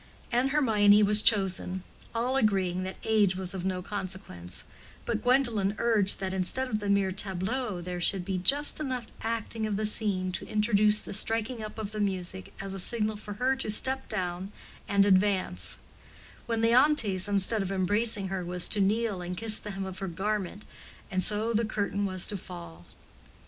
And Hermione was chosen; all agreeing that age was of no consequence, but Gwendolen urged that instead of the mere tableau there should be just enough acting of the scene to introduce the striking up of the music as a signal for her to step down and advance; when Leontes, instead of embracing her, was to kneel and kiss the hem of her garment, and so the curtain was to fall.